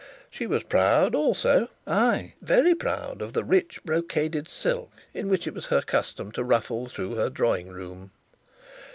She was proud also, ay, very proud, of the rich brocaded silk in which it was her custom to ruffle through her drawing room.